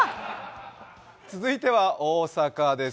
続いては大阪です。